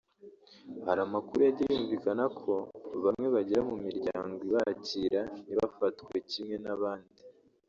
Hari amakuru yagiye yumvikana ko bamwe bagera mu miryango ibakira ntibafatwe kimwe n’abandi